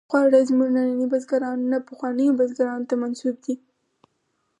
خواړه زموږ ننني بزګرانو نه، پخوانیو بزګرانو ته منسوب دي.